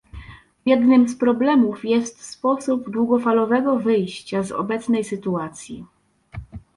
Jednym z problemów jest sposób długofalowego wyjścia z obecnej sytuacji